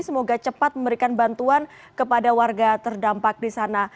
semoga cepat memberikan bantuan kepada warga terdampak di sana